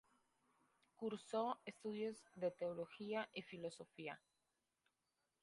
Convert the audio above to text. Cursó estudios de teología y filosofía.